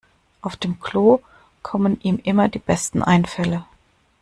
Auf dem Klo kommen ihm immer die besten Einfälle.